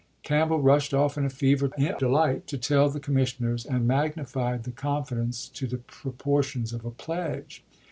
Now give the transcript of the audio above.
Camp ibid, bell rushed off in a fever of delight to tell the commissioners, and magnified the confidence to the proportions of a pledge.